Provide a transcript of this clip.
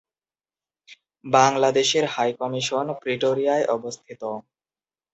বাংলাদেশের high commission প্রিটোরিয়ায় অবস্থিত।